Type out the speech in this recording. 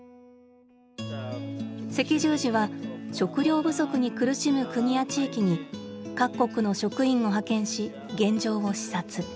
赤十字は食料不足に苦しむ国や地域に各国の職員を派遣し現状を視察。